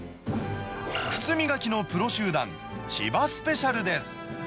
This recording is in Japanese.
靴磨きのプロ集団、千葉スペシャルです。